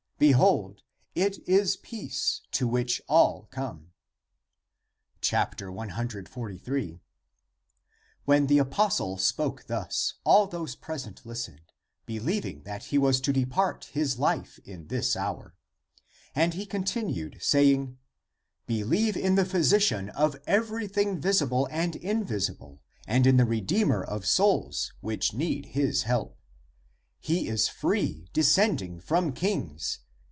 Be hold, it is peace to which all come." 143. When the apostle spoke thus, all those present listened, believing that he was to depart his life in this hour. And he continued, saying, " Be lieve in the physician of everything visible and in visible and in the redeemer of souls which need his help. He is free, descending from kings.